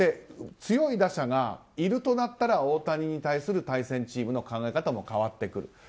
強い打者がいるとなったら大谷に対する対戦チームの考え方も変わってくる。